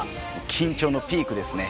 緊張のピークですね。